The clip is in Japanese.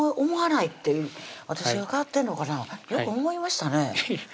思わないっていう私が変わってんのかなよく思いましたね